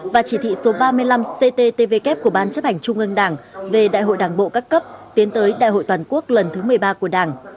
và chỉ thị số ba mươi năm cttvk của ban chấp hành trung ương đảng về đại hội đảng bộ các cấp tiến tới đại hội toàn quốc lần thứ một mươi ba của đảng